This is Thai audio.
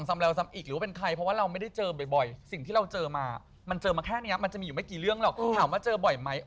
มันก็แบบได้ยินเหมือนพบไหม